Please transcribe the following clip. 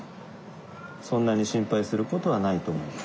そんなにしんぱいすることはないとおもいます。